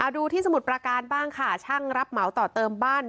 ดูที่สมุทรประการบ้างค่ะช่างรับเหมาต่อเติมบ้าน